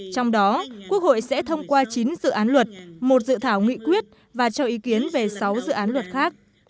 trong đó quốc hội sẽ thông qua chín dự án luật một dự thảo nghị quyết và cho ý kiến về sáu dự án luật khác